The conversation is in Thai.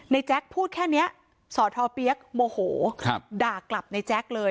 แจ๊คพูดแค่นี้สอทอเปี๊ยกโมโหด่ากลับในแจ๊คเลย